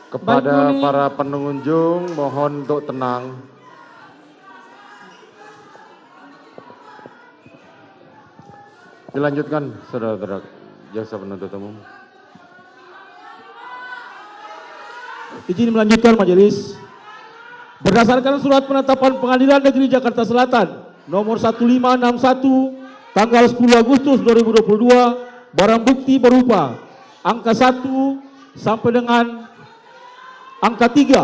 kepada para pengunjung mohon untuk tenang